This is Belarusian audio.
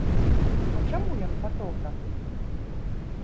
А чаму ён фатограф?